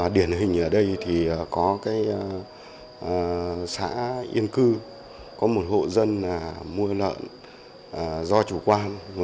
điển hình ở đây thì có xã yên cư có một hộ dân mua lợn do chủ quan